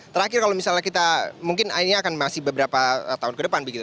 terakhir kalau misalnya kita mungkin ini akan masih beberapa tahun ke depan begitu